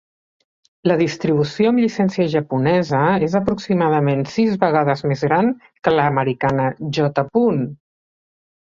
La distribució amb llicència japonesa és aproximadament sis vegades més gran que l'americana J.